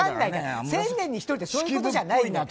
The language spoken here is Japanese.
１０００年に１人ってそういうことじゃない。